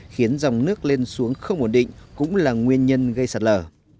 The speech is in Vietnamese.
khiến dòng nước lên xuống không ổn định cũng là nguyên nhân gây sạt lở